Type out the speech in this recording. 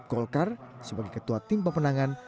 golkar sebagai ketua tim pemenangan